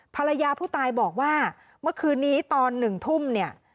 ภรรยาผู้ตายบอกว่าเมื่อคืนนี้ตอน๑ทุ่มเนี่ย